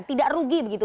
tidak rugi begitu